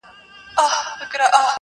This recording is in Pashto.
• داسي د نېستۍ څپېړو شین او زمولولی یم -